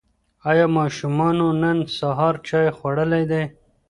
ایا ماشومانو نن سهار چای خوړلی دی؟